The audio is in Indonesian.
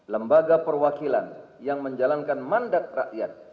lembaga perwakilan yang menjalankan mandat rakyat